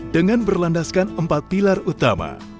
dengan berlandaskan empat pilar utama